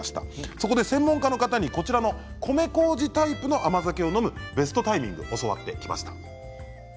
そこで専門家の方に米こうじタイプの甘酒を飲むベストタイミングを教わってきました。